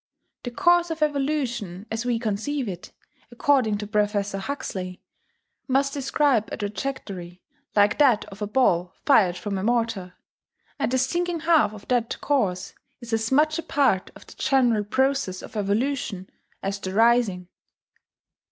The course of evolution as we conceive it, according to Professor Huxley, "must describe a trajectory like that of a ball fired from a mortar; and the sinking half of that course is as much a part of the general process of evolution as the rising."